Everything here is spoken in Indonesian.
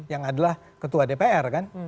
yang adalah ketua dpr kan